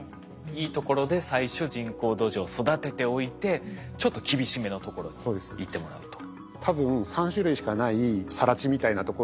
いいところで最初人工土壌育てておいてちょっと厳しめのところに行ってもらうと。